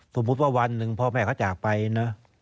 สมมุติว่าวันหนึ่งพ่อแม่เขาจากไปนะ